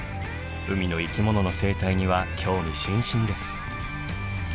海の生き物の生態には興味津々です。